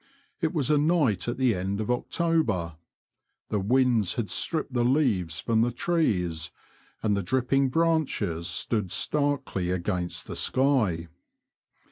It was a night at the end of October. The winds had stripped the leaves from the trees, and the dripping branches stood starkly against the sky.